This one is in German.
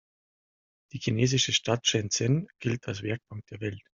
Die chinesische Stadt Shenzhen gilt als „Werkbank der Welt“.